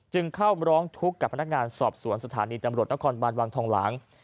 เข้ามาร้องทุกข์กับพนักงานสอบสวนสถานีตำรวจนครบานวังทองหลาง